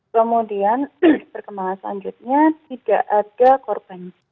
kemudian perkembangan selanjutnya tidak ada korban